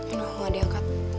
eno gak diangkat